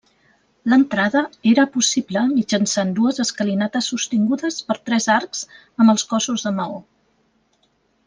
L'entrada era possible mitjançant dues escalinates sostingudes per tres arcs amb els cossos de maó.